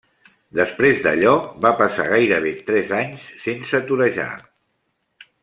Després d'allò va passar gairebé tres anys sense torejar.